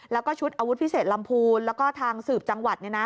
แล้วก็ชุดอาวุธพิเศษลำพูนแล้วก็ทางสืบจังหวัด